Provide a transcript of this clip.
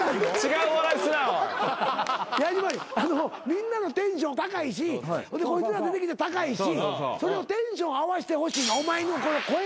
みんなのテンション高いしこいつら出てきて高いしそれをテンション合わせてほしいお前の声のキー。